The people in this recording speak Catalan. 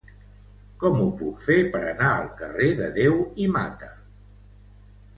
Com ho puc fer per anar al carrer de Deu i Mata?